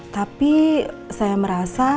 tapi saya merasa